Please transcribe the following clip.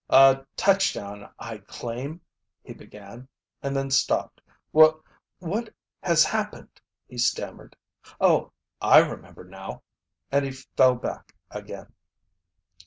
"A touchdown I claim " he began, and then stopped. "Wha what has happened?" he stammered. "Oh, I remember now!" And he feel back again.